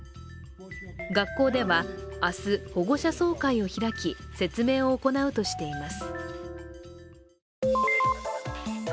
学校では明日、保護者総会を開き説明を行うとしています。